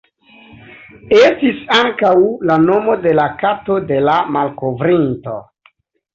Estis ankaŭ la nomo de la kato de la malkovrinto.